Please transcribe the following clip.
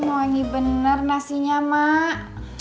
wangi bener nasinya mak